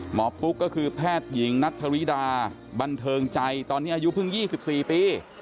ปุ๊กก็คือแพทย์หญิงนัทธริดาบันเทิงใจตอนนี้อายุเพิ่ง๒๔ปี